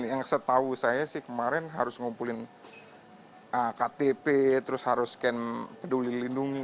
yang setahu saya sih kemarin harus ngumpulin ktp terus harus scan peduli lindungi